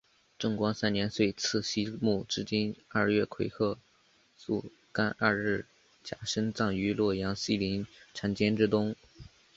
正光三年岁次析木之津二月癸亥朔廿二日甲申葬于洛阳西陵缠涧之东。